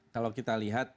kalau kita lihat